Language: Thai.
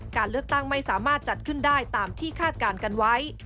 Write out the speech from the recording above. การเลือกตั้งไม่สามารถจัดขึ้นได้ตามที่คาดการณ์กันไว้